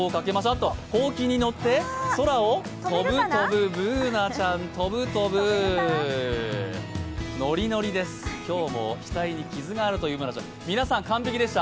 あと、ほうきに乗って、空を飛ぶ、飛ぶＢｏｏｎａちゃん、飛ぶ飛ぶ、ノリノリです、今日も額にキズがある皆さん、完璧でした。